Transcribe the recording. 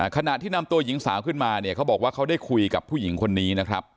ขณะที่นำตัวหญิงสาวขึ้นมาเนี่ยเขาบอกว่าเขาได้คุยกับผู้หญิงคนนี้นะครับ